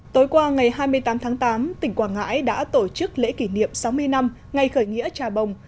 tối qua ngày hai mươi tám tháng tám tỉnh quảng ngãi đã tổ chức lễ kỷ niệm sáu mươi năm ngày khởi nghĩa trà bồng